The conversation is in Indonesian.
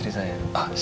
b arrogant juga